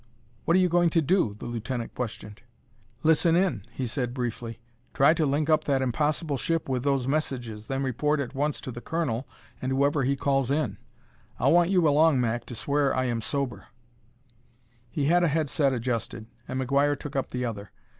"What are you going to do?" the lieutenant questioned. Captain Blake was reaching for a head set. "Listen in," he said briefly; "try to link up that impossible ship with those messages, then report at once to the colonel and whoever he calls in. I'll want you along, Mac, to swear I am sober." He had a head set adjusted, and McGuire took up the other.